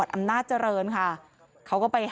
เพราะทนายอันนันชายเดชาบอกว่าจะเป็นการเอาคืนยังไง